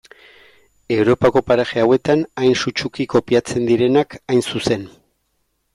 Europako paraje hauetan hain sutsuki kopiatzen direnak hain zuzen.